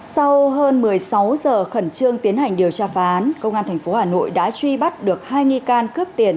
sau hơn một mươi sáu giờ khẩn trương tiến hành điều tra phá án công an tp hà nội đã truy bắt được hai nghi can cướp tiền